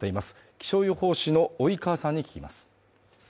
気象予報士の及川さんに聞きます。